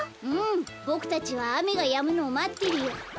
うんボクたちはあめがやむのをまってるよ。